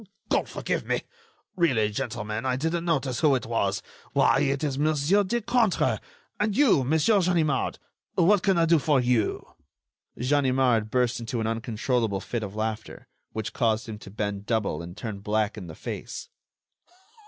"God forgive me!... really, gentlemen, I didn't notice who it was. Why, it is Monsieur Decointre!... and you, Monsieur Ganimard. What can I do for you!" Ganimard burst into an uncontrollable fit of laughter, which caused him to bend double and turn black in the face.